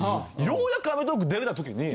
ようやく『アメトーーク！』出れたときに。